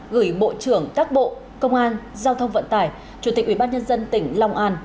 gửi bộ trưởng các bộ công an giao thông vận tải chủ tịch ubnd tỉnh long an